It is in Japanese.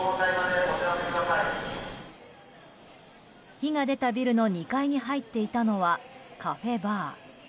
火が出たビルの２階に入っていたのは、カフェバー。